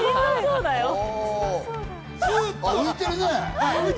浮いているね。